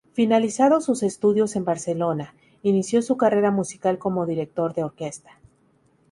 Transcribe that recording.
Finalizados sus estudios en Barcelona, inició su carrera musical como director de orquesta.